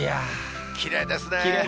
きれいですね。